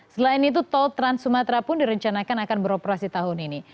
selain itu tol trans sumatera pun direncanakan akan beroperasi tahun ini